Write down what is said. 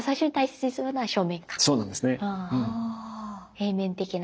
平面的な。